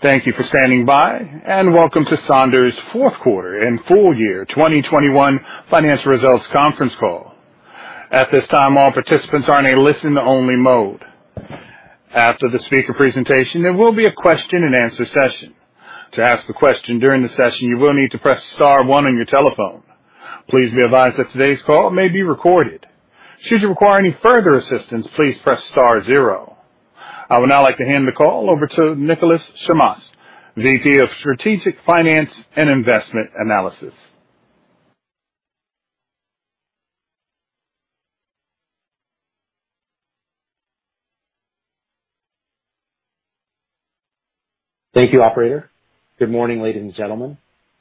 Thank you for standing by, and welcome to Sonder's fourth quarter and full year 2021 financial results conference call. At this time, all participants are in a listen only mode. After the speaker presentation, there will be a question-and-answer session. To ask the question during the session, you will need to press star one on your telephone. Please be advised that today's call may be recorded. Should you require any further assistance, please press star zero. I would now like to hand the call over to Nicolas Chammas, VP of Strategic Finance and Investment Analysis. Thank you, operator. Good morning, ladies and gentlemen.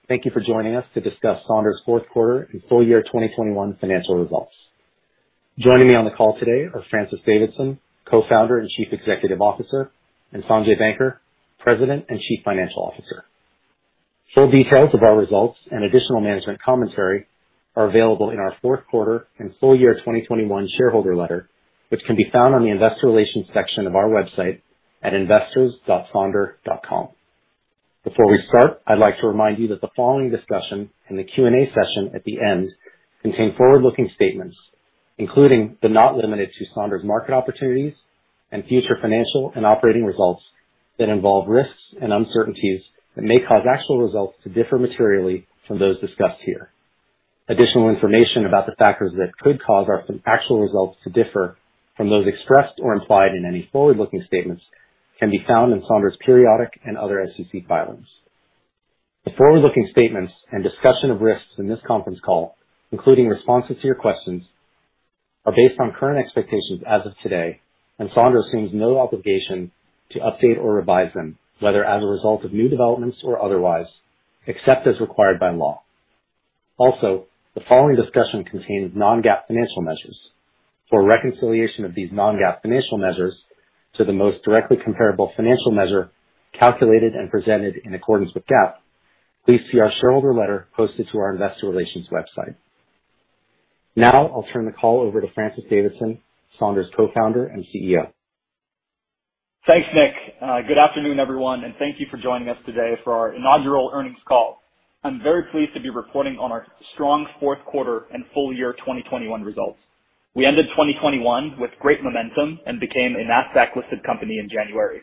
Thank you for joining us to discuss Sonder's fourth quarter and full year 2021 financial results. Joining me on the call today are Francis Davidson, Co-founder and Chief Executive Officer, and Sanjay Banker, President and Chief Financial Officer. Full details of our results and additional management commentary are available in our fourth quarter and full year 2021 shareholder letter, which can be found on the investor relations section of our website at investors.sonder.com. Before we start, I'd like to remind you that the following discussion in the Q&A session at the end contain forward-looking statements, including, but not limited to Sonder's market opportunities and future financial and operating results that involve risks and uncertainties that may cause actual results to differ materially from those discussed here. Additional information about the factors that could cause our actual results to differ from those expressed or implied in any forward-looking statements can be found in Sonder's periodic and other SEC filings. The forward-looking statements and discussion of risks in this conference call, including responses to your questions, are based on current expectations as of today, and Sonder assumes no obligation to update or revise them, whether as a result of new developments or otherwise, except as required by law. Also, the following discussion contains non-GAAP financial measures. For reconciliation of these non-GAAP financial measures to the most directly comparable financial measure calculated and presented in accordance with GAAP, please see our shareholder letter posted to our investor relations website. Now, I'll turn the call over to Francis Davidson, Sonder's Co-founder and CEO. Thanks, Nick. Good afternoon, everyone, and thank you for joining us today for our inaugural earnings call. I'm very pleased to be reporting on our strong fourth quarter and full year 2021 results. We ended 2021 with great momentum and became a Nasdaq-listed company in January.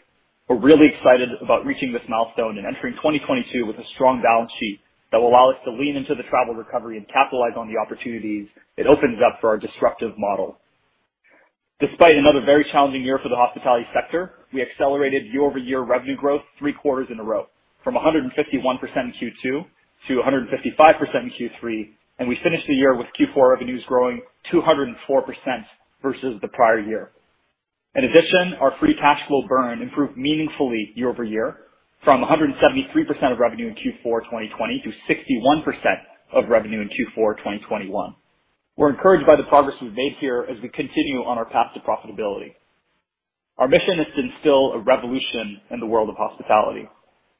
We're really excited about reaching this milestone and entering 2022 with a strong balance sheet that will allow us to lean into the travel recovery and capitalize on the opportunities it opens up for our disruptive model. Despite another very challenging year for the hospitality sector, we accelerated year-over-year revenue growth three quarters in a row, from 151% in Q2 to 155% in Q3, and we finished the year with Q4 revenues growing 204% versus the prior year. In addition, our free cash flow burn improved meaningfully year-over-year from 173% of revenue in Q4 2020 to 61% of revenue in Q4 2021. We're encouraged by the progress we've made here as we continue on our path to profitability. Our mission is to instill a revolution in the world of hospitality.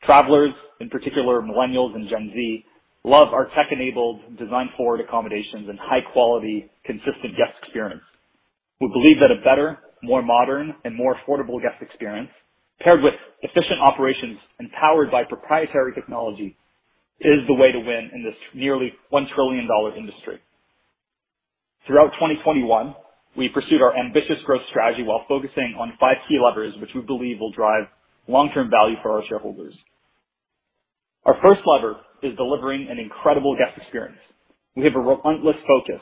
Travelers, in particular millennials and Gen Z, love our tech-enabled design-forward accommodations and high-quality, consistent guest experience. We believe that a better, more modern, and more affordable guest experience paired with efficient operations and powered by proprietary technology is the way to win in this nearly $1 trillion industry. Throughout 2021, we pursued our ambitious growth strategy while focusing on five key levers, which we believe will drive long-term value for our shareholders. Our first lever is delivering an incredible guest experience. We have a relentless focus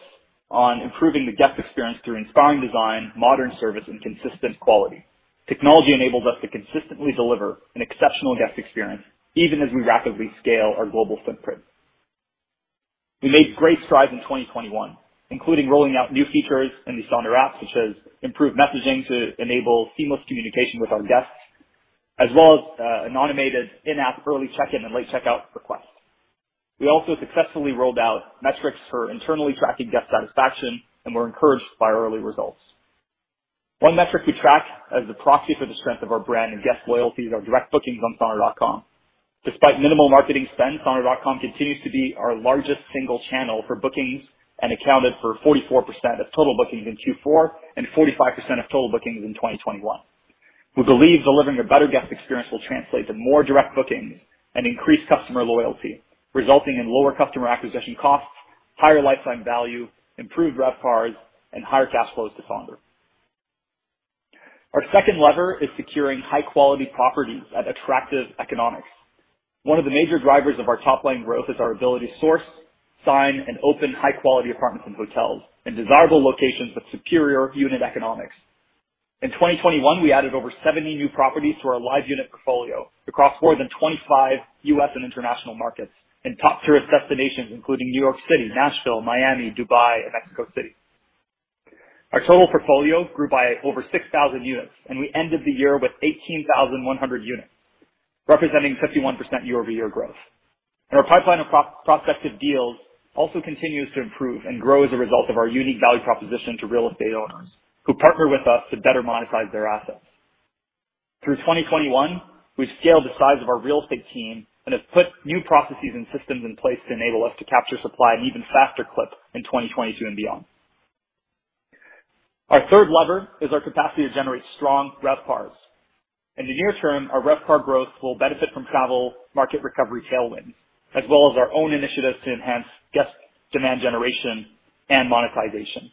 on improving the guest experience through inspiring design, modern service, and consistent quality. Technology enables us to consistently deliver an exceptional guest experience even as we rapidly scale our global footprint. We made great strides in 2021, including rolling out new features in the Sonder app, such as improved messaging to enable seamless communication with our guests, as well as an automated in-app early check-in and late checkout request. We also successfully rolled out metrics for internally tracking guest satisfaction and were encouraged by early results. One metric we track as a proxy for the strength of our brand and guest loyalty is our direct bookings on sonder.com. Despite minimal marketing spend, sonder.com continues to be our largest single channel for bookings and accounted for 44% of total bookings in Q4 and 45% of total bookings in 2021. We believe delivering a better guest experience will translate to more direct bookings and increased customer loyalty, resulting in lower customer acquisition costs, higher lifetime value, improved RevPARs, and higher cash flows to Sonder. Our second lever is securing high quality properties at attractive economics. One of the major drivers of our top line growth is our ability to source, sign, and open high quality apartments and hotels in desirable locations with superior unit economics. In 2021, we added over 70 new properties to our live unit portfolio across more than 25 U.S. and international markets in top tourist destinations including New York City, Nashville, Miami, Dubai, and Mexico City. Our total portfolio grew by over 6,000 units, and we ended the year with 18,100 units, representing 51% year-over-year growth. Our pipeline of prospective deals also continues to improve and grow as a result of our unique value proposition to real estate owners who partner with us to better monetize their assets. Through 2021, we've scaled the size of our real estate team and have put new processes and systems in place to enable us to capture supply at an even faster clip in 2022 and beyond. Our third lever is our capacity to generate strong RevPARs. In the near-term, our RevPAR growth will benefit from travel market recovery tailwinds, as well as our own initiatives to enhance guest demand generation and monetization.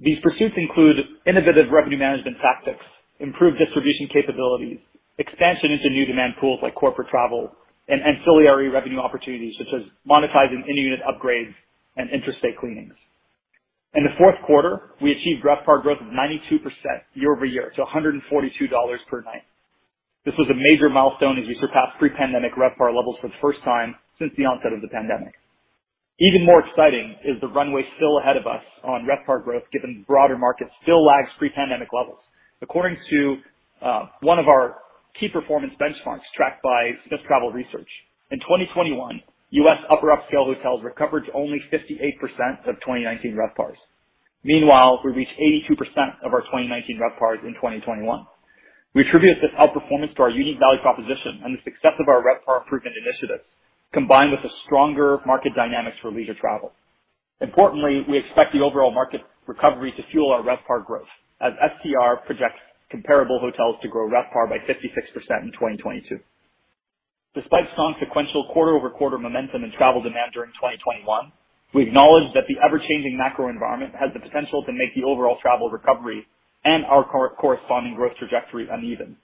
These pursuits include innovative revenue management tactics, improved distribution capabilities, expansion into new demand pools like corporate travel and ancillary revenue opportunities such as monetizing in-unit upgrades and interstate cleanings. In the fourth quarter, we achieved RevPAR growth of 92% year-over-year to $142 per night. This was a major milestone as we surpassed pre-pandemic RevPAR levels for the first time since the onset of the pandemic. Even more exciting is the runway still ahead of us on RevPAR growth given the broader market still lags pre-pandemic levels. According to one of our key performance benchmarks tracked by Smith Travel Research, in 2021, U.S. upper upscale hotels recovered to only 58% of 2019 RevPARs. Meanwhile, we reached 82% of our 2019 RevPARs in 2021. We attribute this outperformance to our unique value proposition and the success of our RevPAR improvement initiatives, combined with the stronger market dynamics for leisure travel. Importantly, we expect the overall market recovery to fuel our RevPAR growth as STR projects comparable hotels to grow RevPAR by 56% in 2022. Despite strong sequential quarter-over-quarter momentum in travel demand during 2021, we acknowledge that the ever-changing macro environment has the potential to make the overall travel recovery and our corresponding growth trajectory uneven.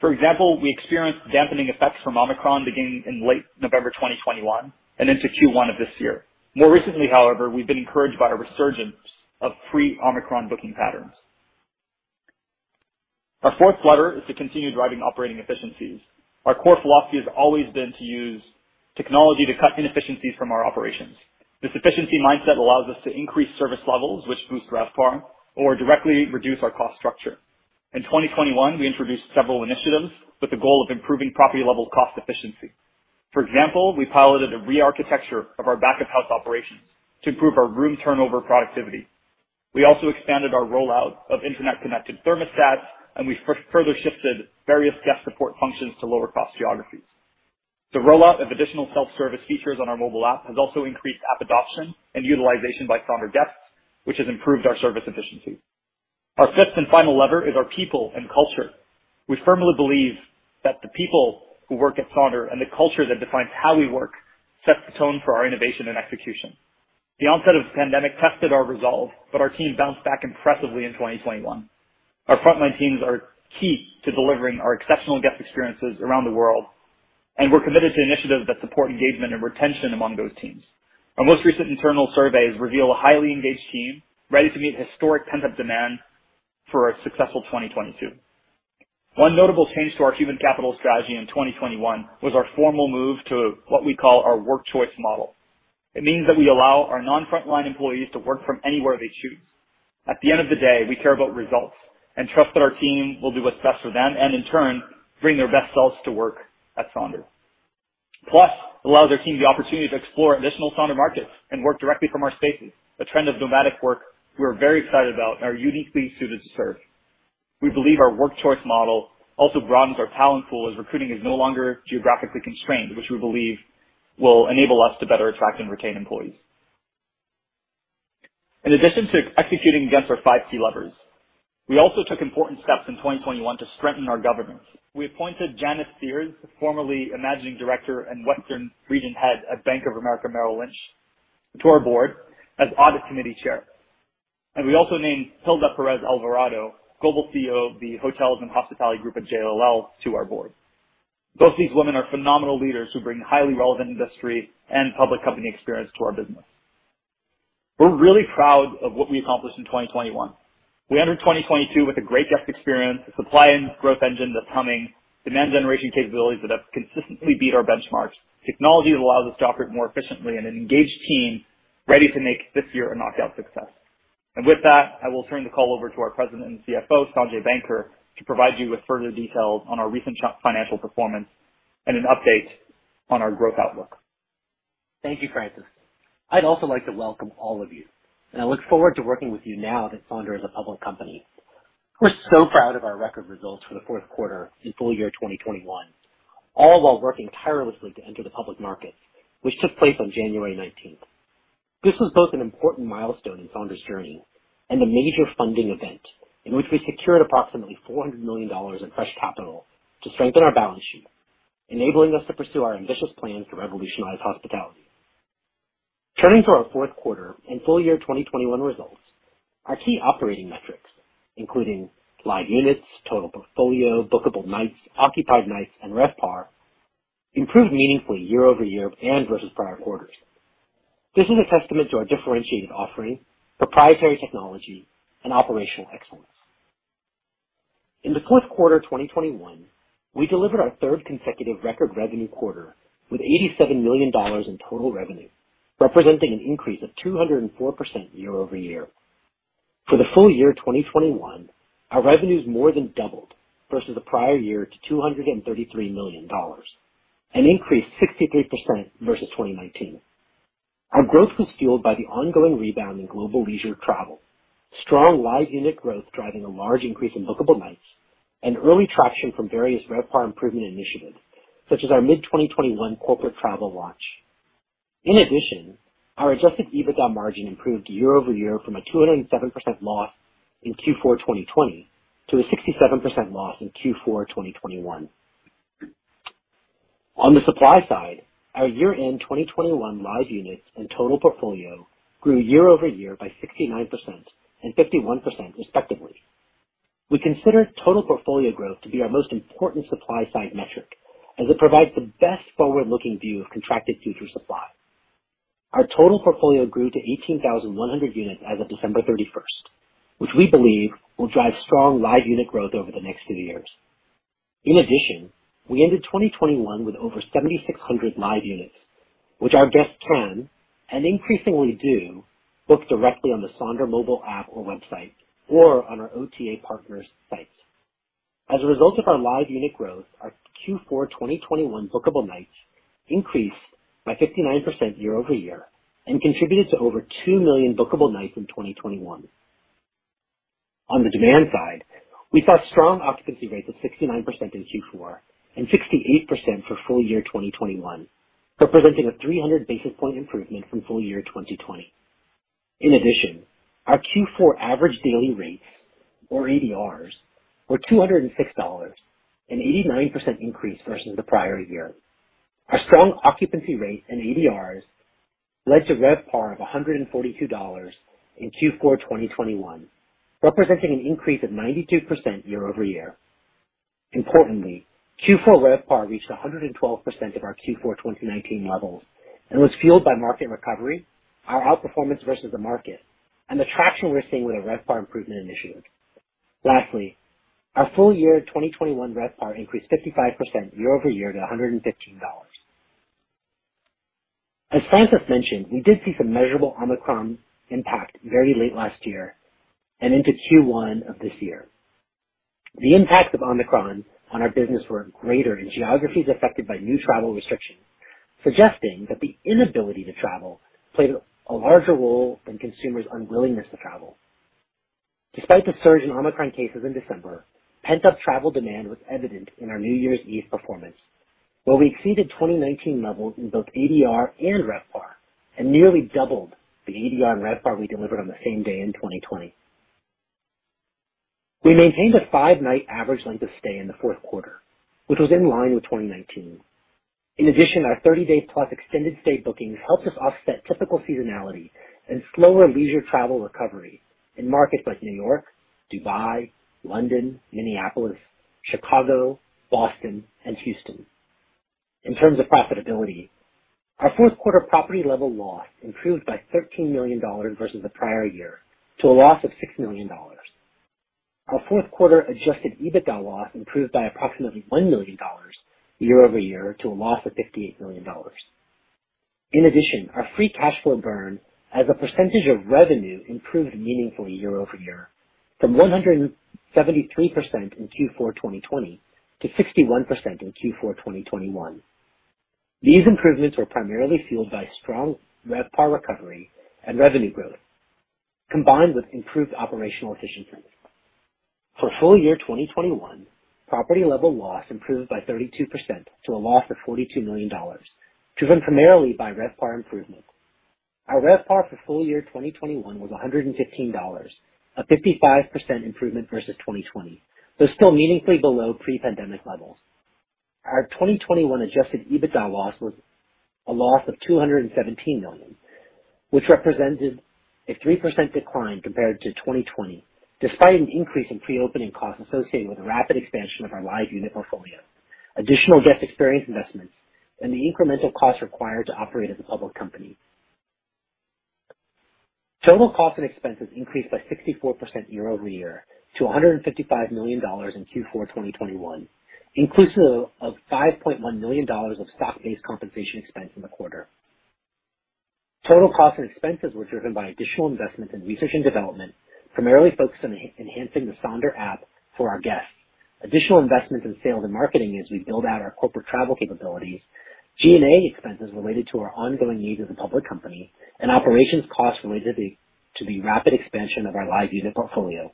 For example, we experienced dampening effects from Omicron beginning in late November 2021 and into Q1 of this year. More recently, however, we've been encouraged by a resurgence of pre-Omicron booking patterns. Our fourth lever is to continue driving operating efficiencies. Our core philosophy has always been to use technology to cut inefficiencies from our operations. This efficiency mindset allows us to increase service levels which boost RevPAR or directly reduce our cost structure. In 2021, we introduced several initiatives with the goal of improving property level cost efficiency. For example, we piloted a re-architecture of our back of house operations to improve our room turnover productivity. We also expanded our rollout of internet-connected thermostats, and we further shifted various guest support functions to lower cost geographies. The rollout of additional self-service features on our mobile app has also increased app adoption and utilization by Sonder guests, which has improved our service efficiency. Our fifth and final lever is our people and culture. We firmly believe that the people who work at Sonder and the culture that defines how we work sets the tone for our innovation and execution. The onset of the pandemic tested our resolve, but our team bounced back impressively in 2021. Our frontline teams are key to delivering our exceptional guest experiences around the world, and we're committed to initiatives that support engagement and retention among those teams. Our most recent internal surveys reveal a highly engaged team ready to meet historic pent-up demand for a successful 2022. One notable change to our human capital strategy in 2021 was our formal move to what we call our work choice model. It means that we allow our non-frontline employees to work from anywhere they choose. At the end of the day, we care about results and trust that our team will do what's best for them and in turn, bring their best selves to work at Sonder. Plus, it allows our team the opportunity to explore additional Sonder markets and work directly from our spaces. A trend of nomadic work we're very excited about and are uniquely suited to serve. We believe our work choice model also broadens our talent pool as recruiting is no longer geographically constrained, which we believe will enable us to better attract and retain employees. In addition to executing against our five key levers, we also took important steps in 2021 to strengthen our governance. We appointed Janice Sears, formerly Managing Director and Western Region Head at Bank of America Merrill Lynch, to our board as Audit Committee Chair, and we also named Gilda Perez-Alvarado, Global CEO of the Hotels and Hospitality Group at JLL to our board. Both these women are phenomenal leaders who bring highly relevant industry and public company experience to our business. We're really proud of what we accomplished in 2021. We entered 2022 with a great guest experience, a supply and growth engine that's humming, demand generation capabilities that have consistently beat our benchmarks, technology that allows us to operate more efficiently, and an engaged team ready to make this year a knockout success. With that, I will turn the call over to our President and CFO, Sanjay Banker, to provide you with further details on our recent financial performance and an update on our growth outlook. Thank you, Francis. I'd also like to welcome all of you, and I look forward to working with you now that Sonder is a public company. We're so proud of our record results for the fourth quarter and full year 2021, all while working tirelessly to enter the public market, which took place on January 19. This was both an important milestone in Sonder's journey and a major funding event in which we secured approximately $400 million in fresh capital to strengthen our balance sheet, enabling us to pursue our ambitious plan to revolutionize hospitality. Turning to our fourth quarter and full year 2021 results, our key operating metrics, including live units, total portfolio, bookable nights, occupied nights, and RevPAR, improved meaningfully year-over-year and versus prior quarters. This is a testament to our differentiated offering, proprietary technology, and operational excellence. In the fourth quarter of 2021, we delivered our third consecutive record revenue quarter with $87 million in total revenue, representing an increase of 204% year-over-year. For the full year 2021, our revenues more than doubled versus the prior year to $233 million, and increased 63% versus 2019. Our growth was fueled by the ongoing rebound in global leisure travel, strong live unit growth driving a large increase in bookable nights, and early traction from various RevPAR improvement initiatives such as our mid-2021 corporate travel launch. In addition, our adjusted EBITDA margin improved year-over-year from a 207% loss in Q4 2020 to a 67% loss in Q4 2021. On the supply side, our year-end 2021 live units and total portfolio grew year-over-year by 69% and 51% respectively. We consider total portfolio growth to be our most important supply side metric as it provides the best forward-looking view of contracted future supply. Our total portfolio grew to 18,100 units as of December 31, which we believe will drive strong live unit growth over the next few years. In addition, we ended 2021 with over 7,600 live units, which our guests can, and increasingly do, book directly on the Sonder mobile app or website, or on our OTA partners' sites. As a result of our live unit growth, our Q4 2021 bookable nights increased by 59% year-over-year and contributed to over 2 million bookable nights in 2021. On the demand side, we saw strong occupancy rates of 69% in Q4 and 68% for full year 2021, representing a 300 basis point improvement from full year 2020. In addition, our Q4 average daily rates, or ADRs, were $206, an 89% increase versus the prior year. Our strong occupancy rate in ADRs led to RevPAR of $142 in Q4 2021, representing an increase of 92% year-over-year. Importantly, Q4 RevPAR reached 112% of our Q4 2019 levels and was fueled by market recovery, our outperformance versus the market and the traction we're seeing with our RevPAR improvement initiatives. Lastly, our full year 2021 RevPAR increased 55% year-over-year to $115. As Francis mentioned, we did see some measurable Omicron impact very late last year and into Q1 of this year. The impacts of Omicron on our business were greater in geographies affected by new travel restrictions, suggesting that the inability to travel played a larger role than consumers' unwillingness to travel. Despite the surge in Omicron cases in December, pent-up travel demand was evident in our New Year's Eve performance, where we exceeded 2019 levels in both ADR and RevPAR and nearly doubled the ADR and RevPAR we delivered on the same day in 2020. We maintained a five-night average length of stay in the fourth quarter, which was in line with 2019. In addition, our 30+ day extended stay bookings helped us offset typical seasonality and slower leisure travel recovery in markets like New York, Dubai, London, Minneapolis, Chicago, Boston, and Houston. In terms of profitability, our fourth quarter property level loss improved by $13 million versus the prior year to a loss of $6 million. Our fourth quarter adjusted EBITDA loss improved by approximately $1 million year-over-year to a loss of $58 million. In addition, our free cash flow burn as a percentage of revenue improved meaningfully year-over-year from 173% in Q4 2020 to 61% in Q4 2021. These improvements were primarily fueled by strong RevPAR recovery and revenue growth, combined with improved operational efficiencies. For full year 2021, property level loss improved by 32% to a loss of $42 million, driven primarily by RevPAR improvement. Our RevPAR for full year 2021 was $115, a 55% improvement versus 2020, but still meaningfully below pre-pandemic levels. Our 2021 adjusted EBITDA loss was a loss of $217 million, which represented a 3% decline compared to 2020, despite an increase in pre-opening costs associated with the rapid expansion of our live unit portfolio, additional guest experience investments, and the incremental costs required to operate as a public company. Total costs and expenses increased by 64% year-over-year to $155 million in Q4 2021, inclusive of $5.1 million of stock-based compensation expense in the quarter. Total costs and expenses were driven by additional investments in research and development, primarily focused on enhancing the Sonder app for our guests. Additional investments in sales and marketing as we build out our corporate travel capabilities, G&A expenses related to our ongoing needs as a public company, and operations costs related to the rapid expansion of our live unit portfolio.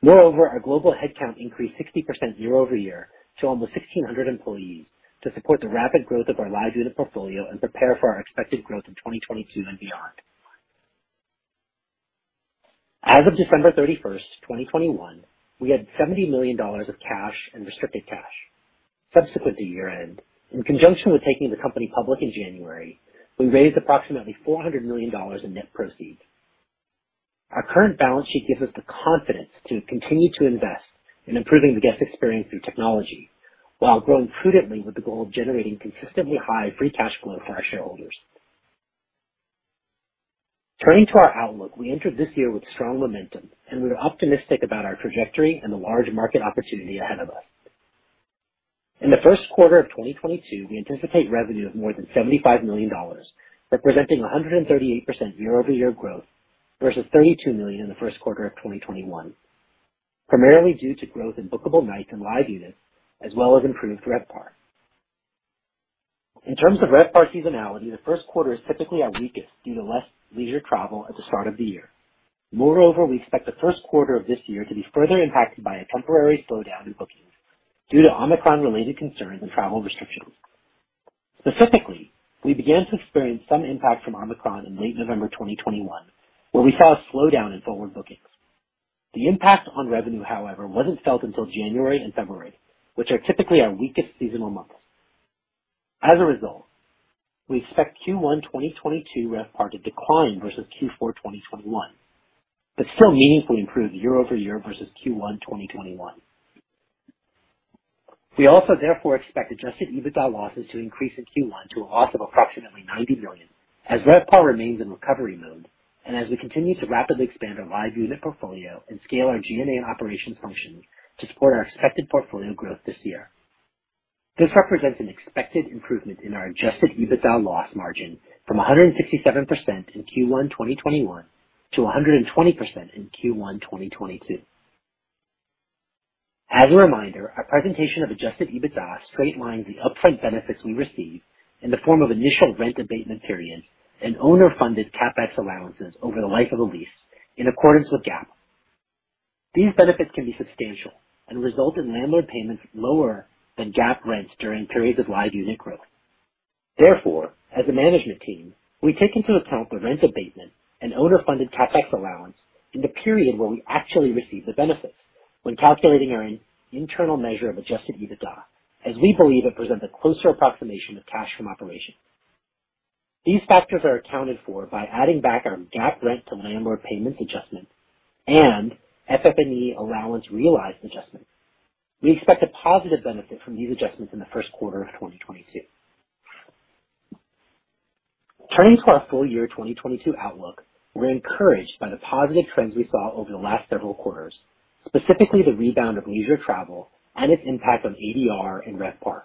Moreover, our global headcount increased 60% year-over-year to almost 1,600 employees to support the rapid growth of our live unit portfolio and prepare for our expected growth in 2022 and beyond. As of December 31, 2021, we had $70 million of cash and restricted cash. Subsequent to year-end, in conjunction with taking the company public in January, we raised approximately $400 million in net proceeds. Our current balance sheet gives us the confidence to continue to invest in improving the guest experience through technology, while growing prudently with the goal of generating consistently high free cash flow for our shareholders. Turning to our outlook, we entered this year with strong momentum, and we're optimistic about our trajectory and the large market opportunity ahead of us. In the first quarter of 2022, we anticipate revenue of more than $75 million, representing 138% year-over-year growth versus $32 million in the first quarter of 2021, primarily due to growth in bookable nights and live units, as well as improved RevPAR. In terms of RevPAR seasonality, the first quarter is typically our weakest due to less leisure travel at the start of the year. Moreover, we expect the first quarter of this year to be further impacted by a temporary slowdown in bookings due to Omicron-related concerns and travel restrictions. Specifically, we began to experience some impact from Omicron in late November 2021, where we saw a slowdown in forward bookings. The impact on revenue, however, wasn't felt until January and February, which are typically our weakest seasonal months. As a result, we expect Q1 2022 RevPAR to decline versus Q4 2021, but still meaningfully improve year-over-year versus Q1 2021. We also therefore expect adjusted EBITDA losses to increase in Q1 to a loss of approximately $90 million as RevPAR remains in recovery mode and as we continue to rapidly expand our live unit portfolio and scale our G&A and operations functions to support our expected portfolio growth this year. This represents an expected improvement in our adjusted EBITDA loss margin from 167% in Q1 2021 to 120% in Q1 2022. As a reminder, our presentation of adjusted EBITDA straight lines the upfront benefits we receive in the form of initial rent abatement periods and owner-funded CapEx allowances over the life of the lease in accordance with GAAP. These benefits can be substantial and result in landlord payments lower than GAAP rents during periods of live unit growth. Therefore, as a management team, we take into account the rent abatement and owner-funded CapEx allowance in the period where we actually receive the benefits when calculating our internal measure of adjusted EBITDA, as we believe it presents a closer approximation of cash from operations. These factors are accounted for by adding back our GAAP rent to landlord payments adjustment and FF&E allowance realized adjustment. We expect a positive benefit from these adjustments in the first quarter of 2022. Turning to our full year 2022 outlook, we're encouraged by the positive trends we saw over the last several quarters, specifically the rebound of leisure travel and its impact on ADR and RevPAR.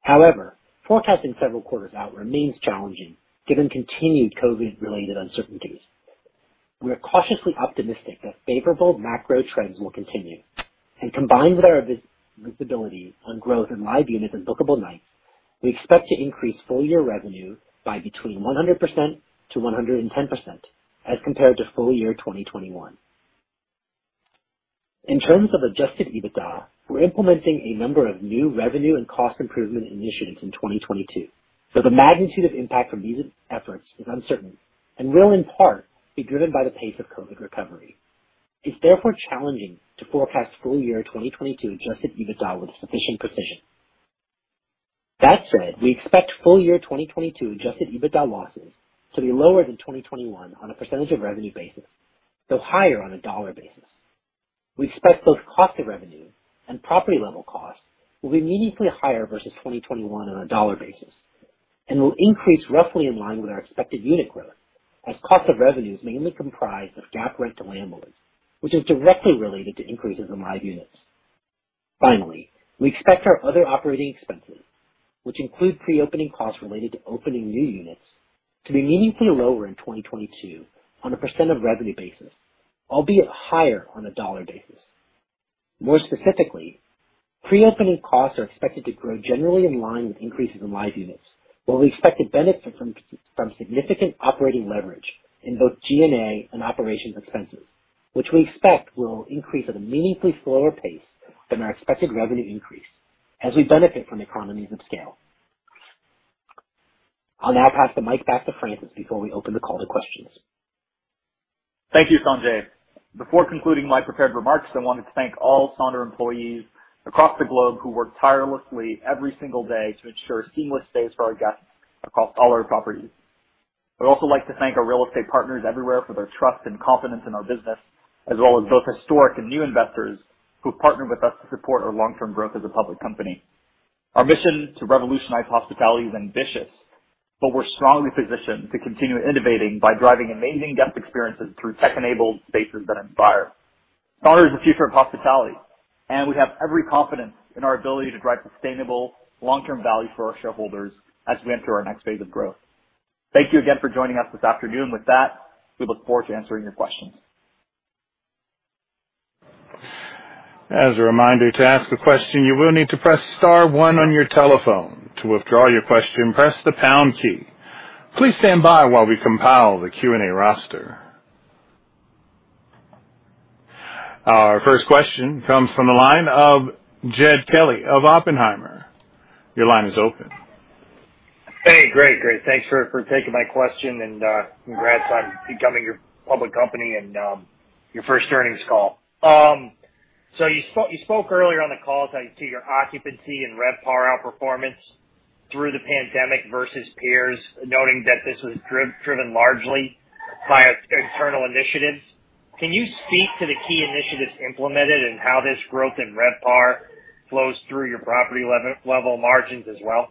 However, forecasting several quarters out remains challenging given continued COVID related uncertainties. We are cautiously optimistic that favorable macro trends will continue and combined with our visibility on growth in live units and bookable nights, we expect to increase full year revenue by between 100%-110% as compared to full year 2021. In terms of adjusted EBITDA, we're implementing a number of new revenue and cost improvement initiatives in 2022. The magnitude of impact from these efforts is uncertain and will in part be driven by the pace of COVID recovery. It's therefore challenging to forecast full year 2022 adjusted EBITDA with sufficient precision. That said, we expect full year 2022 adjusted EBITDA losses to be lower than 2021 on a percentage of revenue basis, so higher on a dollar basis. We expect both cost of revenue and property level costs will be meaningfully higher versus 2021 on a dollar basis and will increase roughly in line with our expected unit growth as cost of revenue is mainly comprised of GAAP rent to landlords, which is directly related to increases in live units. Finally, we expect our other operating expenses, which include pre-opening costs related to opening new units, to be meaningfully lower in 2022 on a percent of revenue basis, albeit higher on a dollar basis. More specifically, pre-opening costs are expected to grow generally in line with increases in live units, while we expect to benefit from significant operating leverage in both G&A and operations expenses, which we expect will increase at a meaningfully slower pace than our expected revenue increase as we benefit from economies of scale. I'll now pass the mic back to Francis before we open the call to questions. Thank you, Sanjay. Before concluding my prepared remarks, I wanted to thank all Sonder employees across the globe who work tirelessly every single day to ensure seamless stays for our guests across all our properties. I'd also like to thank our real estate partners everywhere for their trust and confidence in our business, as well as both historic and new investors who've partnered with us to support our long-term growth as a public company. Our mission to revolutionize hospitality is ambitious, but we're strongly positioned to continue innovating by driving amazing guest experiences through tech-enabled spaces that inspire. Sonder is the future of hospitality, and we have every confidence in our ability to drive sustainable long-term value for our shareholders as we enter our next phase of growth. Thank you again for joining us this afternoon. With that, we look forward to answering your questions. As a reminder, to ask a question, you will need to press star one on your telephone. To withdraw your question, press the pound key. Please stand by while we compile the Q&A roster. Our first question comes from the line of Jed Kelly of Oppenheimer. Your line is open. Hey, great. Thanks for taking my question and congrats on becoming a public company and your first earnings call. You spoke earlier on the call to your occupancy and RevPAR outperformance through the pandemic versus peers, noting that this was driven largely by internal initiatives. Can you speak to the key initiatives implemented and how this growth in RevPAR flows through your property level margins as well?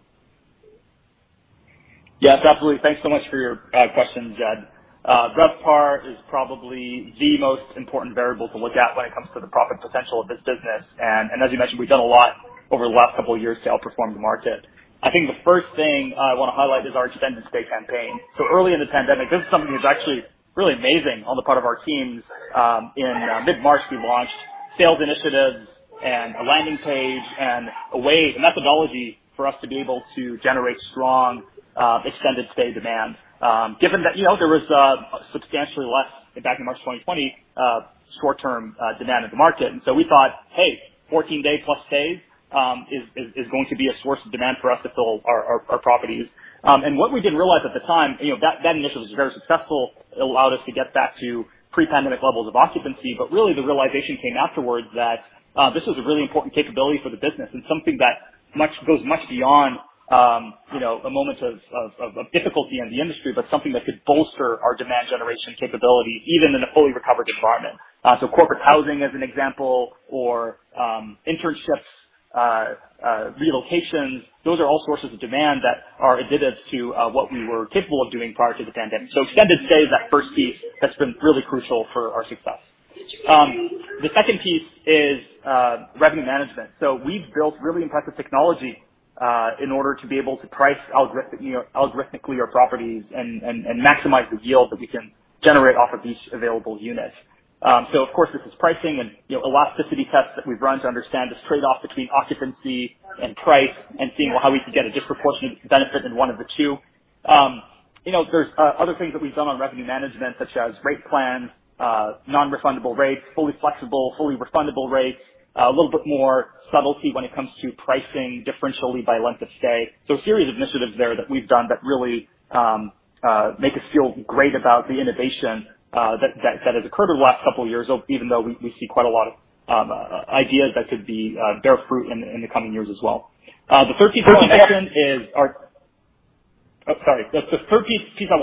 Yeah, definitely. Thanks so much for your question, Jed. RevPAR is probably the most important variable to look at when it comes to the profit potential of this business. As you mentioned, we've done a lot over the last couple of years to outperform the market. I think the first thing I wanna highlight is our Extended Stay campaign. Early in the pandemic, this is something that was actually really amazing on the part of our teams. In mid-March, we launched sales initiatives and a landing page and a way, a methodology for us to be able to generate strong extended stay demand, given that, you know, there was substantially less back in March 2020 short-term demand in the market. We thought, "Hey, 14+ day stays is going to be a source of demand for us to fill our properties." We didn't realize at the time, you know, that initiative was very successful. It allowed us to get back to pre-pandemic levels of occupancy. Really the realization came afterwards that this was a really important capability for the business and something that goes much beyond the moments of difficulty in the industry, but something that could bolster our demand generation capability even in a fully recovered environment. Corporate housing as an example or internships, relocations, those are all sources of demand that are additive to what we were capable of doing prior to the pandemic. Extended Stay is that first piece that's been really crucial for our success. The second piece is revenue management. We've built really impressive technology in order to be able to price algorithmically our properties and maximize the yield that we can generate off of each available unit. Of course, this is pricing and, you know, elasticity tests that we've run to understand this trade-off between occupancy and price and seeing how we can get a disproportionate benefit in one of the two. You know, there's other things that we've done on revenue management, such as rate plans, non-refundable rates, fully flexible, fully refundable rates, a little bit more subtlety when it comes to pricing differentially by length of stay. A series of initiatives there that we've done that really make us feel great about the innovation that has occurred over the last couple of years, even though we see quite a lot of ideas that could bear fruit in the coming years as well. The third piece I wanna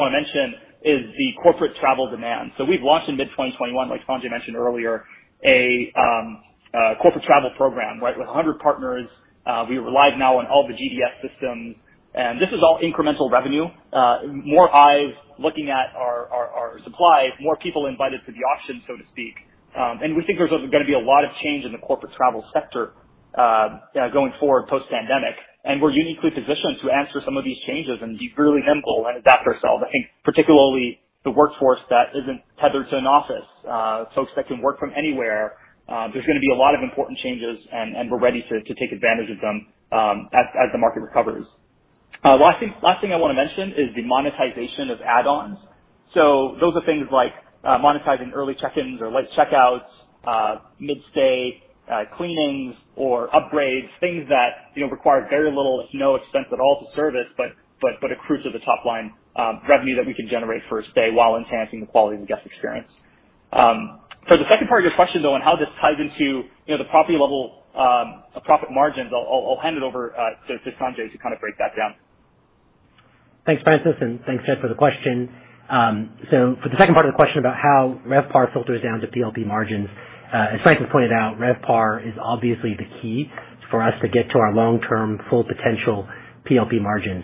mention is the corporate travel demand. We've launched in mid-2021, like Sanjay mentioned earlier, a corporate travel program, right? With 100 partners, we rely now on all the GDS systems, and this is all incremental revenue. More eyes looking at our supply, more people invited to the auction, so to speak. We think there's also gonna be a lot of change in the corporate travel sector going forward post-pandemic. We're uniquely positioned to answer some of these changes and be really nimble and adapt ourselves. I think particularly the workforce that isn't tethered to an office, folks that can work from anywhere, there's gonna be a lot of important changes and we're ready to take advantage of them, as the market recovers. Last thing I wanna mention is the monetization of add-ons. Those are things like monetizing early check-ins or late check-outs, mid-stay cleanings or upgrades, things that, you know, require very little to no expense at all to service, but accrue to the top line revenue that we can generate for a stay while enhancing the quality of the guest experience. The second part of your question, though, on how this ties into, you know, the property level profit margins, I'll hand it over to Sanjay to kind of break that down. Thanks, Francis, and thanks, Jed, for the question. For the second part of the question about how RevPAR filters down to PLP margins, as Francis pointed out, RevPAR is obviously the key for us to get to our long-term full potential PLP margins.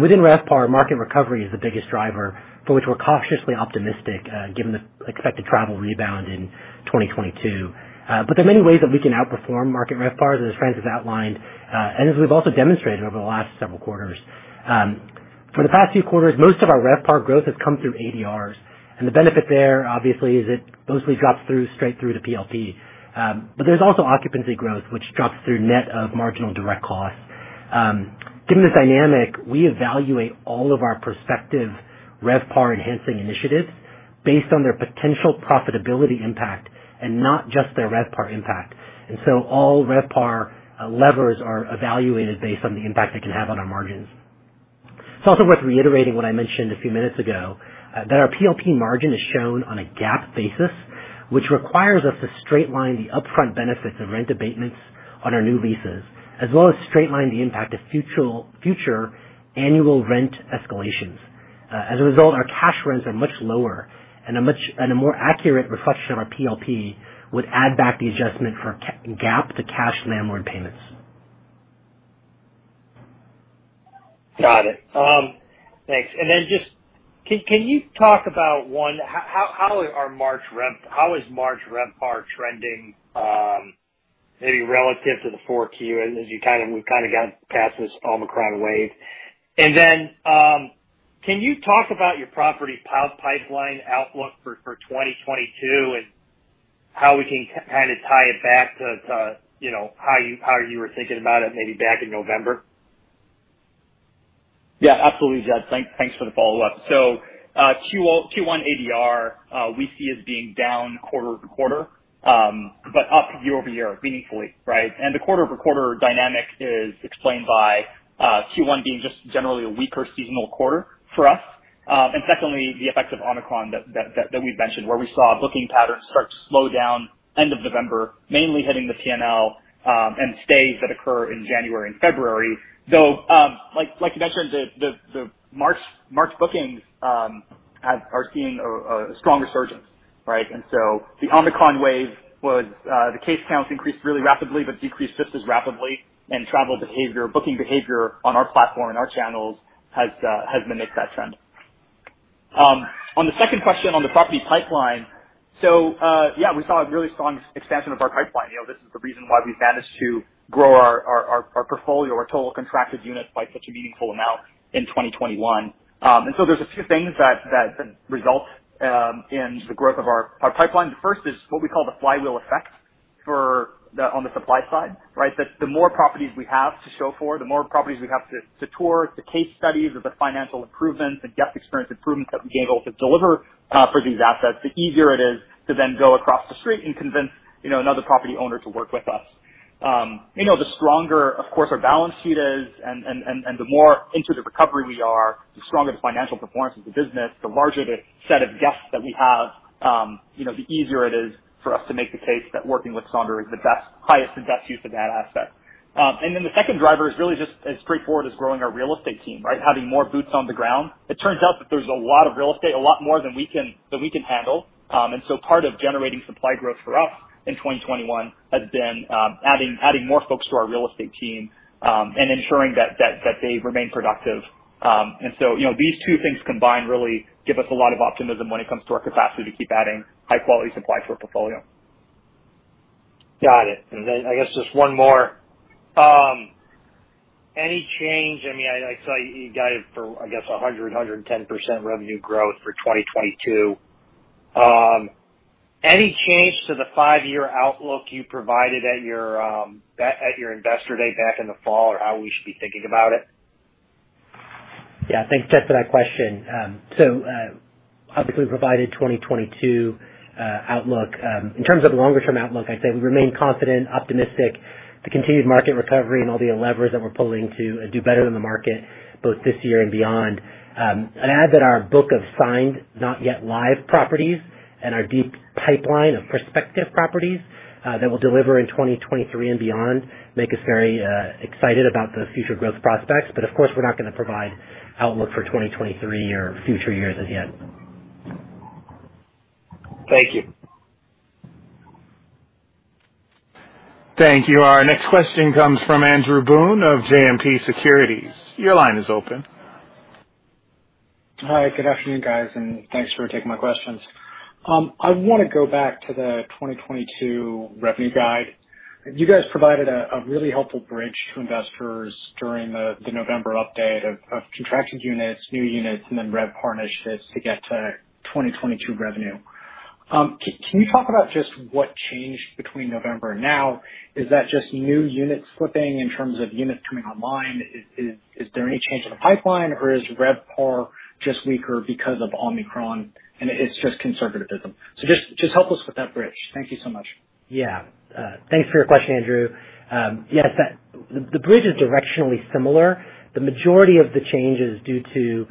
Within RevPAR, market recovery is the biggest driver for which we're cautiously optimistic, given the expected travel rebound in 2022. There are many ways that we can outperform market RevPAR, as Francis outlined, and as we've also demonstrated over the last several quarters. For the past few quarters, most of our RevPAR growth has come through ADRs, and the benefit there obviously is it mostly drops through, straight through to PLP. There's also occupancy growth which drops through net of marginal direct costs. Given the dynamic, we evaluate all of our prospective RevPAR-enhancing initiatives based on their potential profitability impact and not just their RevPAR impact. All RevPAR levers are evaluated based on the impact it can have on our margins. It's also worth reiterating what I mentioned a few minutes ago, that our PLP margin is shown on a GAAP basis, which requires us to straight line the upfront benefits of rent abatements on our new leases, as well as straight line the impact of future annual rent escalations. As a result, our cash rents are much lower, and a more accurate reflection of our PLP would add back the adjustment for GAAP to cash landlord payments. Got it. Thanks. Just can you talk about how is March RevPAR trending, maybe relative to 4Q as we've kind of gotten past this Omicron wave? Can you talk about your property pipeline outlook for 2022 and how we can kind of tie it back to, you know, how you were thinking about it maybe back in November? Yeah, absolutely, Jed. Thanks for the follow-up. Q1 ADR, we see as being down quarter-over-quarter, but up year-over-year meaningfully, right? The quarter-over-quarter dynamic is explained by Q1 being just generally a weaker seasonal quarter for us. Secondly, the effect of Omicron that we've mentioned, where we saw booking patterns start to slow down end of November, mainly hitting the P&L, and stays that occur in January and February. Like you mentioned, the March bookings are seeing a strong resurgence, right? The Omicron wave was the case counts increased really rapidly, but decreased just as rapidly. Travel behavior, booking behavior on our platform, our channels has mimicked that trend. On the second question on the property pipeline. Yeah, we saw a really strong expansion of our pipeline. You know, this is the reason why we've managed to grow our portfolio, our total contracted units by such a meaningful amount in 2021. There's a few things that result in the growth of our pipeline. The first is what we call the flywheel effect. On the supply side, right? That the more properties we have to show for, the more properties we have to tour the case studies of the financial improvements, the guest experience improvements that we are able to deliver for these assets, the easier it is to then go across the street and convince, you know, another property owner to work with us. You know, the stronger, of course, our balance sheet is and the more into the recovery we are, the stronger the financial performance of the business, the larger the set of guests that we have, you know, the easier it is for us to make the case that working with Sonder is the best, highest and best use of that asset. The second driver is really just as straightforward as growing our real estate team, right? Having more boots on the ground. It turns out that there's a lot of real estate, a lot more than we can handle. Part of generating supply growth for us in 2021 has been adding more folks to our real estate team and ensuring that they remain productive. You know, these two things combined really give us a lot of optimism when it comes to our capacity to keep adding high quality supply to our portfolio. Got it. Then I guess just one more. Any change? I mean, I saw you guided for, I guess, 100%, 110% revenue growth for 2022. Any change to the five-year outlook you provided at your Investor Day back in the fall, or how we should be thinking about it? Yeah. Thanks, Jed, for that question. Publicly provided 2022 outlook. In terms of the longer term outlook, I'd say we remain confident, optimistic, the continued market recovery and all the levers that we're pulling to do better in the market both this year and beyond. I'd add that our book of signed, not yet live properties and our deep pipeline of prospective properties that we'll deliver in 2023 and beyond make us very excited about the future growth prospects. Of course, we're not gonna provide outlook for 2023 or future years as yet. Thank you. Thank you. Our next question comes from Andrew Boone of JMP Securities. Your line is open. Hi. Good afternoon, guys, and thanks for taking my questions. I wanna go back to the 2022 revenue guide. You guys provided a really helpful bridge to investors during the November update of contracted units, new units, and then RevPAR initiatives to get to 2022 revenue. Can you talk about just what changed between November and now? Is that just new units flipping in terms of units coming online? Is there any change in the pipeline, or is RevPAR just weaker because of Omicron, and it's just conservatism? Just help us with that bridge. Thank you so much. Yeah. Thanks for your question, Andrew. Yes. The bridge is directionally similar. The majority of the change is due to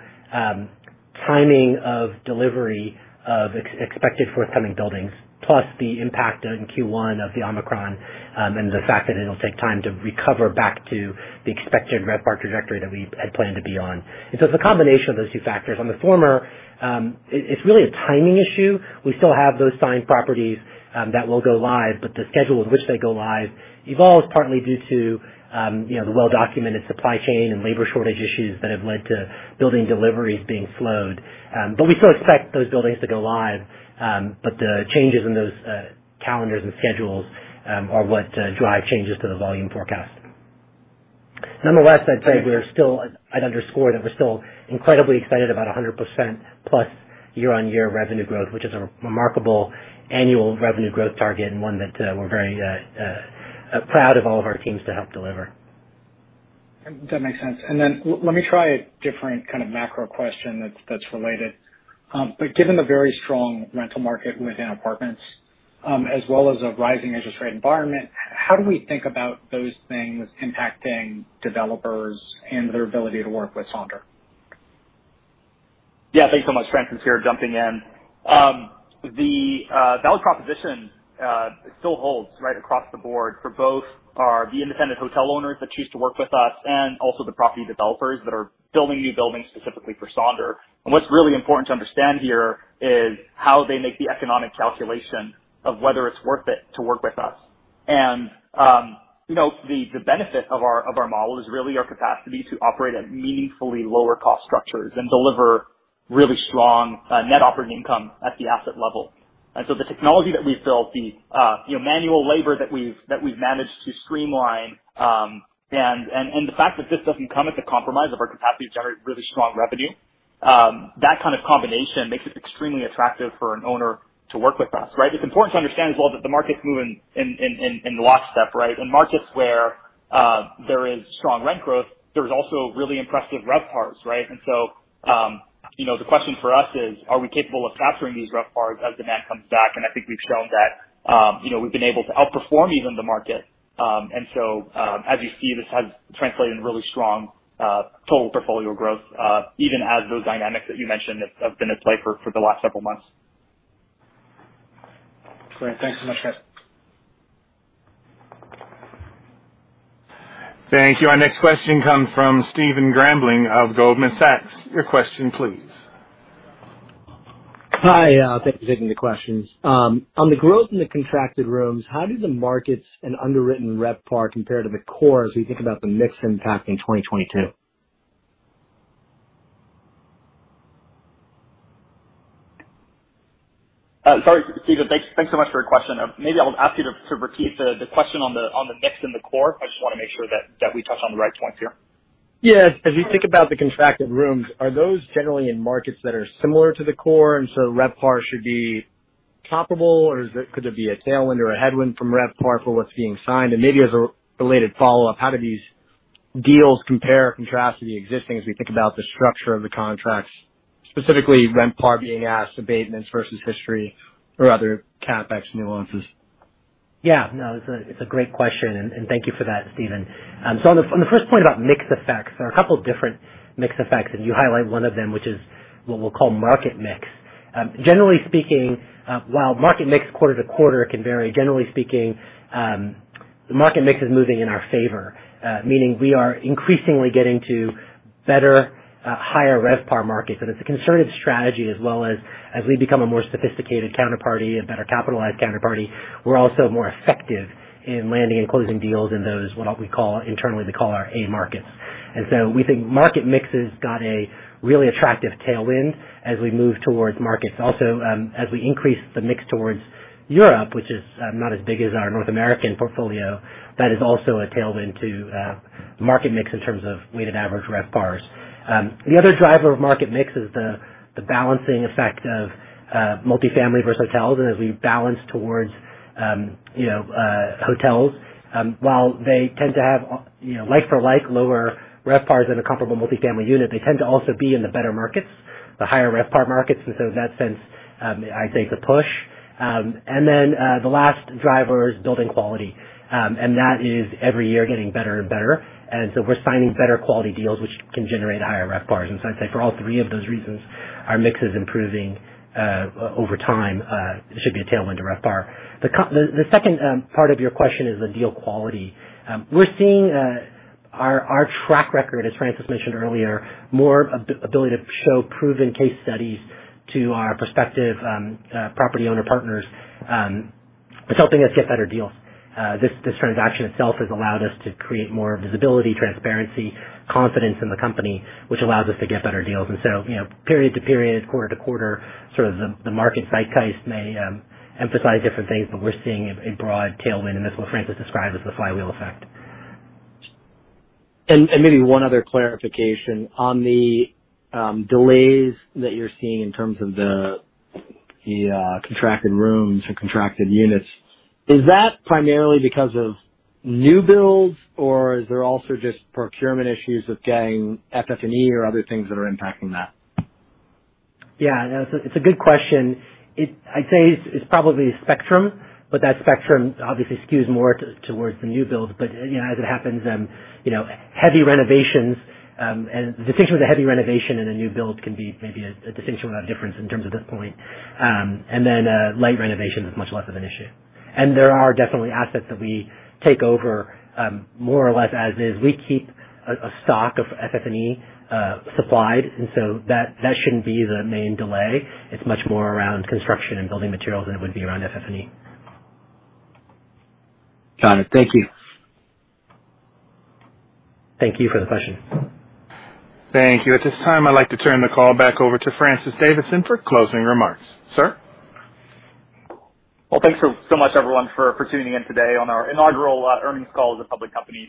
timing of delivery of expected forthcoming buildings, plus the impact in Q1 of the Omicron, and the fact that it'll take time to recover back to the expected RevPAR trajectory that we had planned to be on. It's a combination of those two factors. On the former, it's really a timing issue. We still have those signed properties that will go live, but the schedule in which they go live evolves partly due to you know, the well-documented supply chain and labor shortage issues that have led to building deliveries being slowed. But we still expect those buildings to go live. The changes in those calendars and schedules are what drive changes to the volume forecast. Nonetheless, I'd say we're still. I'd underscore that we're still incredibly excited about 100%+ year-on-year revenue growth, which is a remarkable annual revenue growth target and one that we're very proud of all of our teams to help deliver. That makes sense. Let me try a different kind of macro question that's related. Given the very strong rental market within apartments, as well as a rising interest rate environment, how do we think about those things impacting developers and their ability to work with Sonder? Yeah. Thanks so much. Francis here jumping in. The value proposition still holds right across the board for both the independent hotel owners that choose to work with us and also the property developers that are building new buildings specifically for Sonder. And what's really important to understand here is how they make the economic calculation of whether it's worth it to work with us. You know, the benefit of our model is really our capacity to operate at meaningfully lower cost structures and deliver really strong net operating income at the asset level. The technology that we've built, the manual labor that we've managed to streamline, and the fact that this doesn't come at the compromise of our capacity to generate really strong revenue, that kind of combination makes us extremely attractive for an owner to work with us, right? What's important to understand as well that the market's moving in lockstep, right? In markets where there is strong rent growth, there is also really impressive RevPARs, right? The question for us is, are we capable of capturing these RevPARs as demand comes back? I think we've shown that, we've been able to outperform even the market. As you see, this has translated into really strong total portfolio growth, even as those dynamics that you mentioned have been at play for the last several months. Great. Thanks so much, guys. Thank you. Our next question comes from Stephen Grambling of Goldman Sachs. Your question please. Hi. Thanks for taking the questions. On the growth in the contracted rooms, how do the markets and underwritten RevPAR compare to the core as we think about the mix impact in 2022? Sorry, Stephen. Thanks so much for your question. Maybe I'll ask you to repeat the question on the mix and the core. I just wanna make sure that we touch on the right points here. Yes. As you think about the contracted rooms, are those generally in markets that are similar to the core? RevPAR should be comparable or is it, could there be a tailwind or a headwind from RevPAR for what's being signed? Maybe as a related follow-up, how do these deals compare or contrast to the existing as we think about the structure of the contracts, specifically RevPAR being asked abatements versus history or other CapEx nuances? Yeah, no, it's a great question, and thank you for that, Stephen. On the first point about mix effects, there are a couple different mix effects, and you highlight one of them, which is what we'll call market mix. Generally speaking, while market mix quarter to quarter can vary, generally speaking, the market mix is moving in our favor, meaning we are increasingly getting to better, higher RevPAR markets. It's a concerted strategy as well as we become a more sophisticated counterparty, a better capitalized counterparty, we're also more effective in landing and closing deals in those what we call internally A markets. We think market mix has got a really attractive tailwind as we move towards markets. Also, as we increase the mix towards Europe, which is not as big as our North American portfolio, that is also a tailwind to market mix in terms of weighted average RevPARs. The other driver of market mix is the balancing effect of multifamily versus hotels. As we balance towards, you know, hotels, while they tend to have, you know, like-for-like lower RevPARs in a comparable multifamily unit, they tend to also be in the better markets, the higher RevPAR markets. In that sense, I'd say it's a push. The last driver is building quality. That is every year getting better and better. We're signing better quality deals, which can generate higher RevPARs. I'd say for all three of those reasons, our mix is improving over time. It should be a tailwind to RevPAR. The second part of your question is the deal quality. We're seeing our track record, as Francis mentioned earlier, more ability to show proven case studies to our prospective property owner partners, is helping us get better deals. This transaction itself has allowed us to create more visibility, transparency, confidence in the company, which allows us to get better deals. You know, period to period, quarter to quarter, sort of the market zeitgeist may emphasize different things, but we're seeing a broad tailwind, and that's what Francis described as the flywheel effect. Maybe one other clarification. On the delays that you're seeing in terms of the contracted rooms or contracted units, is that primarily because of new builds or is there also just procurement issues with getting FF&E or other things that are impacting that? Yeah, no, it's a good question. I'd say it's probably a spectrum, but that spectrum obviously skews more towards the new builds. You know, as it happens, heavy renovations, and the distinction with a heavy renovation and a new build can be maybe a distinction without a difference in terms of this point. Then, light renovation is much less of an issue. There are definitely assets that we take over, more or less as is. We keep a stock of FF&E supplied, and so that shouldn't be the main delay. It's much more around construction and building materials than it would be around FF&E. Got it. Thank you. Thank you for the question. Thank you. At this time, I'd like to turn the call back over to Francis Davidson for closing remarks. Sir. Well, thanks so much everyone for tuning in today on our inaugural earnings call as a public company.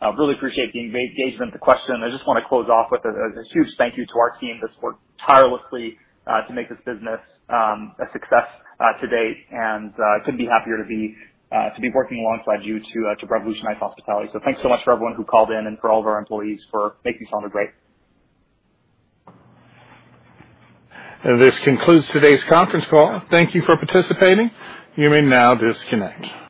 Really appreciate the engagement, the question. I just wanna close off with a huge thank you to our team that's worked tirelessly to make this business a success to date. Couldn't be happier to be working alongside you to revolutionize hospitality. Thanks so much for everyone who called in and for all of our employees for making Sonder great. This concludes today's conference call. Thank you for participating. You may now disconnect.